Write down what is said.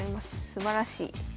すばらしい。